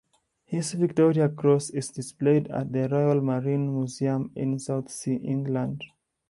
His Victoria Cross is displayed at the Royal Marines Museum in Southsea, England.